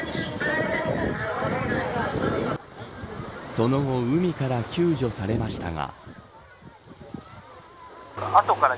その後、海から救助されましたが。